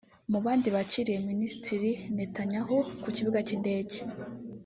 Mu bandi bakiriye Minisitiri Netanyahu ku kibuga cy’indege